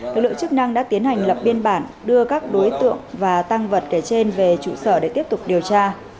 lực lượng chức năng đã tiến hành lập biên bản đưa các đối tượng và tăng vật kể trên về trụ sở để tiếp tục điều tra